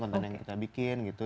konten yang kita bikin gitu